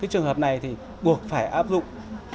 trường hợp này buộc phải áp dụng